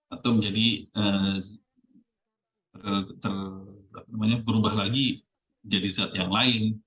atau menjadi berubah lagi jadi zat yang lain